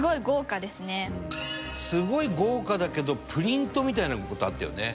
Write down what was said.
すごい豪華だけどプリントみたいな事あったよね。